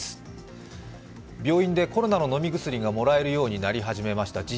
病院でコロナの飲み薬がもらえるようになりました。